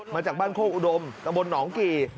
มาจากบ้านโคกอุดมตะบนหนองกี่